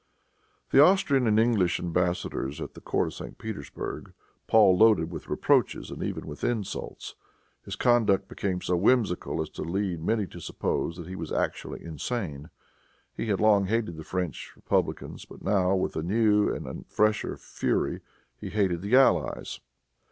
The Austrian and English embassadors at the court of St. Petersburg, Paul loaded with reproaches and even with insults. His conduct became so whimsical as to lead many to suppose that he was actually insane. He had long hated the French republicans, but now, with a new and a fresher fury, he hated the allies.